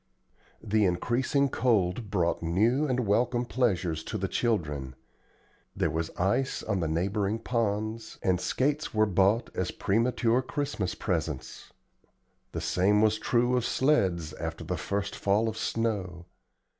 The increasing cold brought new and welcome pleasures to the children. There was ice on the neighboring ponds, and skates were bought as premature Christmas presents. The same was true of sleds after the first fall of snow.